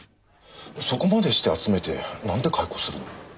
そこまでして集めてなんで解雇するの？